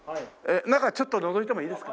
中ちょっとのぞいてもいいですか？